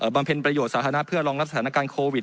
เพ็ญประโยชน์สาธารณะเพื่อรองรับสถานการณ์โควิด